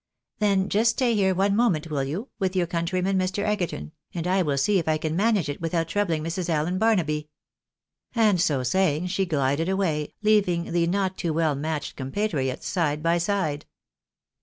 " Then just stay here one moment, will you, with your coun tryman, Mr. Egerton ? and I will see if I can manage it without troubhng Mrs. Allen Barnaby," And so saying, she glided away, leaving the not too weU matched compatriots side by side.